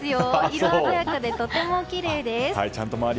色鮮やかでとてもきれいです。